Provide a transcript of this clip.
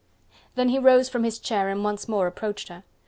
Then he rose from his chair, and once more approached her.